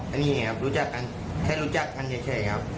อันนี้ไงครับรู้จักกันแค่รู้จักกันเฉยครับ